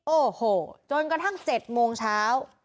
โอ้โหจนกระทั่ง๗โมงเช้า